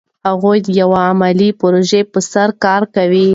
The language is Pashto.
هغوی د یوې علمي پروژې په سر کار کوي.